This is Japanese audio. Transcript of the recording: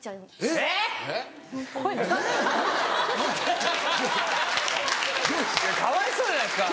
えっ‼かわいそうじゃないですか。